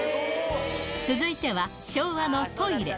続いては、昭和のトイレ。